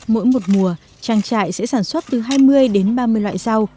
mỗi một mùa trang trại sẽ sản xuất từ hai mươi đến ba mươi loại rau